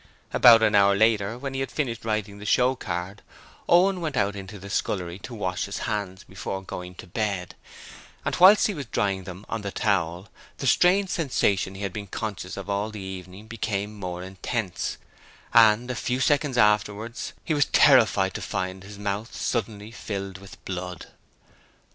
About an hour later, when he had finished writing the showcard, Owen went out into the scullery to wash his hands before going to bed: and whilst he was drying them on the towel, the strange sensation he had been conscious of all the evening became more intense, and a few seconds afterwards he was terrified to find his mouth suddenly filled with blood.